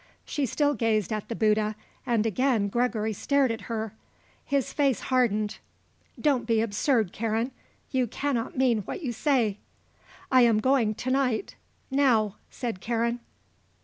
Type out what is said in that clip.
She still gazed at the Bouddha and again Gregory stared at her. His face hardened. "Don't be absurd, Karen. You cannot mean what you say." "I am going to night. Now," said Karen.